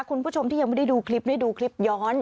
คุณผู้ชมที่ยังไม่ได้ดูคลิปได้ดูคลิปย้อน